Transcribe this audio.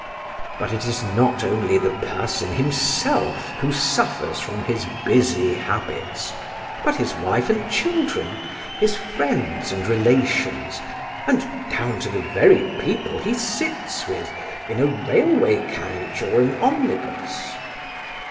But it is not only the person himself who suffers from his busy habits, but his wife and children, his friends and relations, and down to the very people he sits with in a railway carriage or an omnibus.